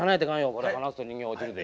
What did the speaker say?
これ離すと人形落ちるで。